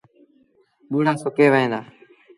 ٻوڙآ سُڪي وهيݩ دآ۔